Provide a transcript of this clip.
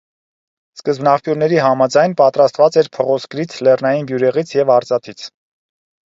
Սկզբնաղբյուրների համաձայն՝ պատրաստված էր փղոսկրից, լեռնային բյուրեղից և արծաթից։